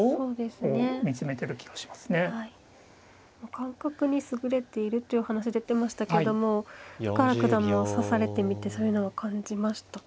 感覚に優れているという話出てましたけども深浦九段も指されてみてそういうのは感じましたか。